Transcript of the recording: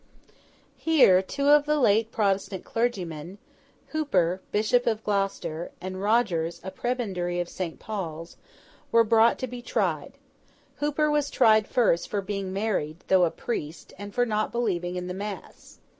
Here, two of the late Protestant clergymen, Hooper, Bishop of Gloucester, and Rogers, a Prebendary of St. Paul's, were brought to be tried. Hooper was tried first for being married, though a priest, and for not believing in the mass.